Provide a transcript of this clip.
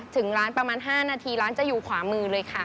ถึงร้านประมาณ๕นาทีร้านจะอยู่ขวามือเลยค่ะ